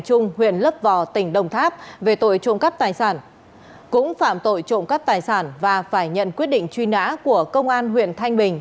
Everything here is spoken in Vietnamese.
cũng phạm tội trộm cắp tài sản và phải nhận quyết định truy nã của công an huyện thanh bình